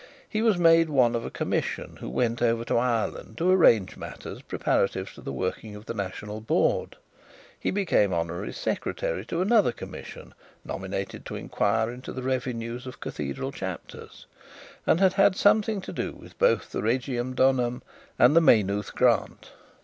He was made one of a commission who went over to Ireland to arrange matters preparative to the working of the national board; he became honorary secretary to another commission nominated to inquire into the revenues of cathedral chapters; and had had something to do with both the regium donum and the Maynooth Grant.